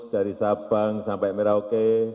dari sabang sampai merauke